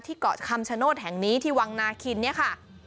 เกาะคำชโนธแห่งนี้ที่วังนาคินเนี่ยค่ะ